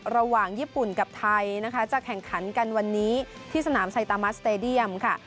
ระหว่างญี่ปุ่นกับไทยนะคะจะแข่งขันกันวันนี้ที่สนามไซตามัสสเตดียมค่ะ